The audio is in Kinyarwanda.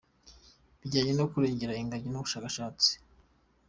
bijyanye no kurengera ingagi n’ubushakashatsi.